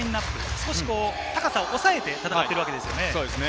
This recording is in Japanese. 少し高さを抑えて戦っているわけですね。